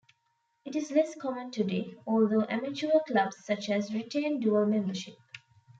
It is less common today, although amateur clubs such as retain dual membership.